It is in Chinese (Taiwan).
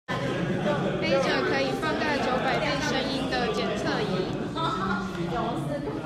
揹著可以放大九百倍聲音的檢測儀